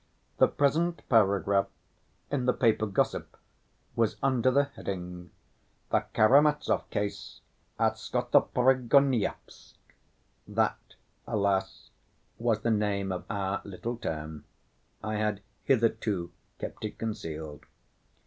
The present paragraph in the paper Gossip was under the heading, "The Karamazov Case at Skotoprigonyevsk." (That, alas! was the name of our little town. I had hitherto kept it concealed.)